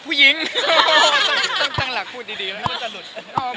ผู้หญิงตั้งหลักพูดดีแล้วน่าจะหลุด